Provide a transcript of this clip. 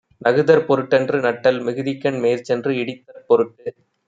நகுதற் பொருட்டன்று நட்டல், மிகுதிக்கண், மேற்சென்று இடித்தற்பொருட்டு.